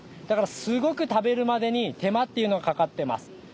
だからすごく食べるまでに手間っていうのがかかってます。